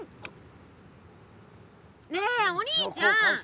ねえお兄ちゃん！